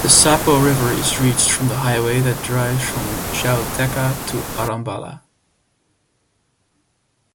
The Sapo River is reached by the highway that drives from Joateca to Arambala.